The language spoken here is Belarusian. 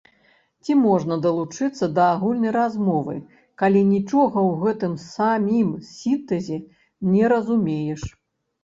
Ці можна далучыцца да агульнай размовы, калі нічога ў гэтым самім сінтэзе не разумееш?